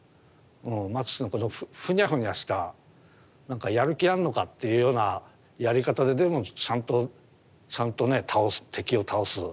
マティスのこのフニャフニャしたなんかやる気あんのかっていうようなやり方ででもちゃんとちゃんとね倒す敵を倒す。